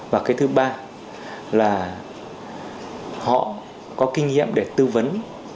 và cái thứ ba là họ có kinh nghiệm để tư vấn